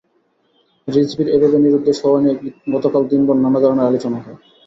রিজভীর এভাবে নিরুদ্দেশ হওয়া নিয়ে গতকাল দিনভর নানা ধরনের আলোচনা হয়।